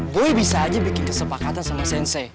gue bisa aja bikin kesepakatan sama sense